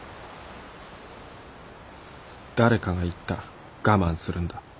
「誰かが言ったがまんするんだ